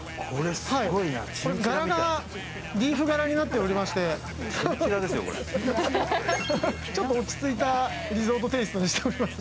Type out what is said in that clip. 柄がリーフ柄になっておりまして、ちょっと落ち着いたリゾートテーストにしています。